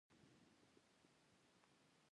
انسان او ټولنه، طبیعت، کاینات به تعریفوي.